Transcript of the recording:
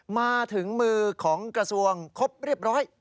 มาถึงมือของกระทรวงครบเรียบร้อย